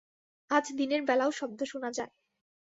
আজ দিনের বেলাও শব্দ শুনা যায়।